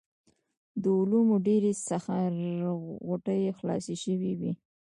د علومو ډېرې سخر غوټې خلاصې شوې وې.